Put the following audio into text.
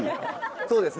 そうですね